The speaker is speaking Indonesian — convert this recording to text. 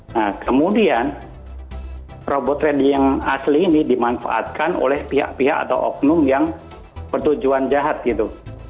nah kemudian robot trading yang asli ini dimanfaatkan oleh pihak pihak atau oknum yang bertujuan jahat gitu